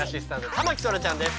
田牧そらちゃんです。